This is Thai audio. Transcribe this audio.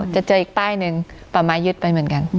จะเจออีกป้ายหนึ่งป่าไม้ยึดไปเหมือนกัน